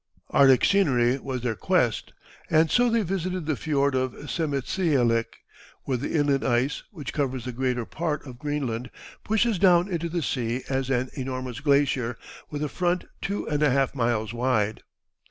Arctic scenery was their quest, and so they visited the fiord of Sermitsialik, where the inland ice, which covers the greater part of Greenland, pushes down into the sea as an enormous glacier, with a front two and a half miles wide.